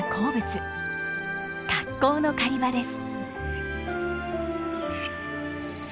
格好の狩り場です。